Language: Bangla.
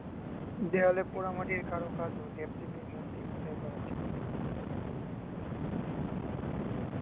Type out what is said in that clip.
দেয়ালে পোড়ামাটির কারুকাজ ও দেবদেবীর মূর্তি খোদাই করা ছিল।